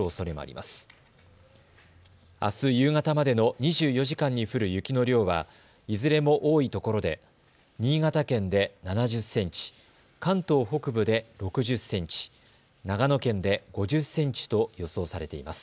あす夕方までの２４時間に降る雪の量はいずれも多いところで新潟県で７０センチ、関東北部で６０センチ、長野県で５０センチと予想されています。